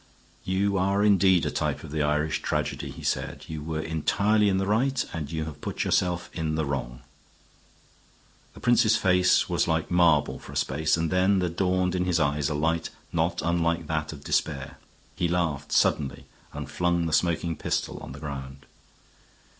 "You are indeed a type of the Irish tragedy," he said. "You were entirely in the right, and you have put yourself in the wrong." The prince's face was like marble for a space then there dawned in his eyes a light not unlike that of despair. He laughed suddenly and flung the smoking pistol on the ground.